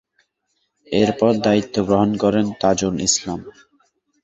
এরপর দায়িত্ব গ্রহণ করেন তাজুল ইসলাম।